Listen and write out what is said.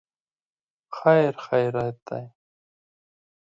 خیر خیریت دی.